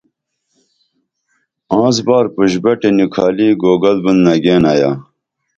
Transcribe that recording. آنسبار پُشبٹی نِکھالی گوگل بُن نگیئن آیا